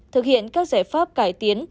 thực hiện các giải pháp cải tiến